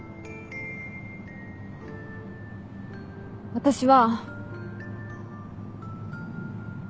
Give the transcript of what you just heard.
私は。